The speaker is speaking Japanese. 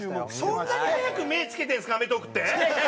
そんなに早く目付けてるんですか『アメトーーク』って。